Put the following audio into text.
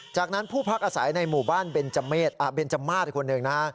จากนั้นผู้พักอาศัยในหมู่บ้านเบนจัมเมฆอ่ะเบนจัมมาสคนนึงนะฮะ